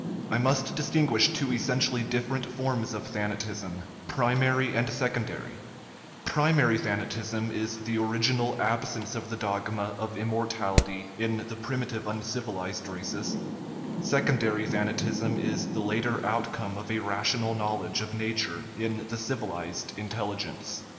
I must distin guish two essentially different forms of thanatism primary and secondary; primary thanatism is the 191 THE RIDDLE OF THE UNIVERSE original absence of the dogma of immortality (in the primitive uncivilized races) ; secondary thanatism is the later outcome of a rational knowledge of nature in the civilized intelligence.